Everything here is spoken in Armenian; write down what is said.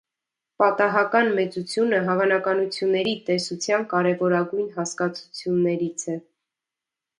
Պատահական մեծությունը հավանականությունների տեսության կարևորագույն հասկացություններից է։